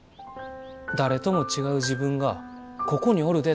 「誰とも違う自分がここにおるで！」